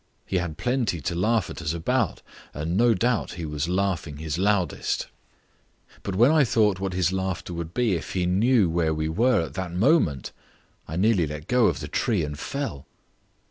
He had plenty to laugh at us about, and no doubt he was laughing his loudest; but when I thought what his laughter would be if he knew where we were at that moment, I nearly let go of the tree and fell.